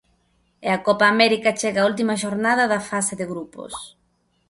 E a Copa América chega á última xornada da fase de grupos.